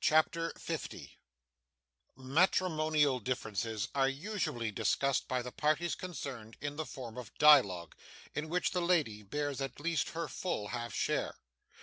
CHAPTER 50 Matrimonial differences are usually discussed by the parties concerned in the form of dialogue, in which the lady bears at least her full half share.